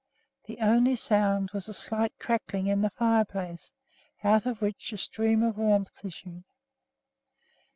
The only sound was a slight crackling in the fireplace, out of which a stream of warmth issued.